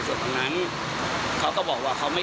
ผมก็เลยไปชิดปิดตัวเขาเข้าไป